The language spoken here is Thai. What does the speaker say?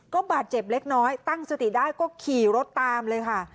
ก็บาดเจ็บเล็กน้อยตั้งสติได้ก็ขี่รถตามเลยค่ะ